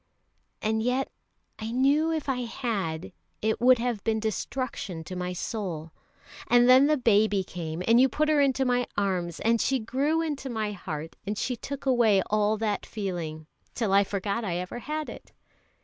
And yet I knew if I had, it would have been destruction to my soul. And then the baby came, and you put her into my arms, and she grew into my heart, and she took away all that feeling, till I forgot I ever had it."